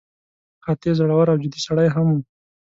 قاطع، زړور او جدي سړی هم و.